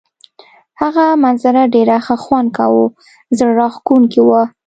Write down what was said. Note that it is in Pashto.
هغه منظره ډېر ښه خوند کاوه، زړه راښکونکې وه.